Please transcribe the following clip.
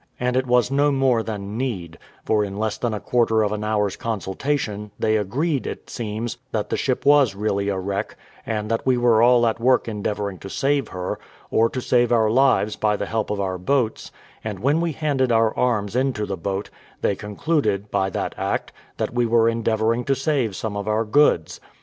And it was no more than need: for in less than a quarter of an hour's consultation, they agreed, it seems, that the ship was really a wreck, and that we were all at work endeavouring to save her, or to save our lives by the help of our boats; and when we handed our arms into the boat, they concluded, by that act, that we were endeavouring to save some of our goods.